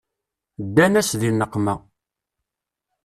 Ddan-as di nneqma.